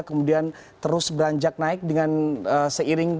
kemudian terus beranjak naik dengan seiring